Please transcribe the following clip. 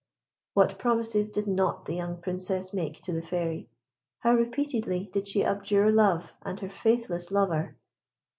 What promises did not the young Princess make to the Fairy! How repeatedly did she abjure love and her faithless lover!